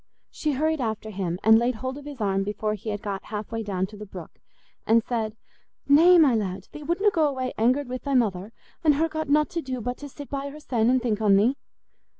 She hurried after him, and laid hold of his arm before he had got half way down to the brook, and said, "Nay, my lad, thee wutna go away angered wi' thy mother, an' her got nought to do but to sit by hersen an' think on thee?"